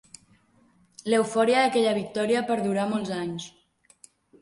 L'eufòria d'aquella victòria perdurà molts anys.